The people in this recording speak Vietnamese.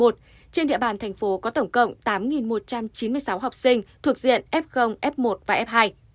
trên địa bàn thành phố có tổng cộng tám một trăm chín mươi sáu học sinh thuộc diện f f một và f hai